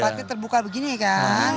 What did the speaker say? apalagi tempatnya terbuka begini kan